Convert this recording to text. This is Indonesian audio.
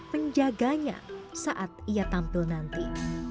menjaganya saat ia tampil nanti